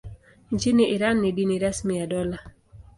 Nchini Iran ni dini rasmi ya dola.